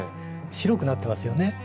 白くなってますよね。